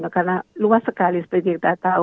karena luas sekali seperti kita tahu